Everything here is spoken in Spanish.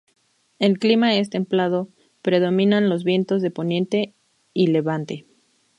El clima es templado; predominan los vientos de poniente y levante.